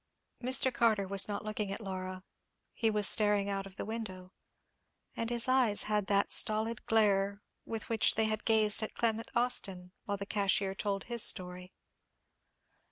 Mr. Carter was not looking at Laura, he was staring out of the window, and his eyes had that stolid glare with which they had gazed at Clement Austin while the cashier told his story.